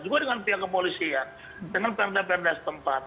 juga dengan pihak kepolisian dengan perda perda setempat